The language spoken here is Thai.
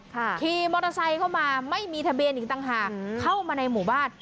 ขี่มอเตอร์ไซค์เข้ามาไม่มีทะเบียนอีกต่างหากเข้ามาในหมู่บ้าน